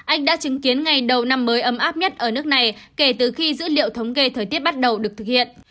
anh đã chứng kiến ngày đầu năm mới ấm áp nhất ở nước này kể từ khi dữ liệu thống kê thời tiết bắt đầu được thực hiện